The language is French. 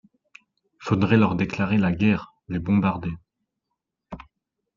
Faudrait leur déclarer la guerre, les bombarder